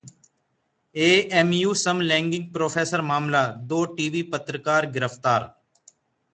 AMU समलैंगिक professor मामला: दो टीवी पत्रकार गिरफ्तार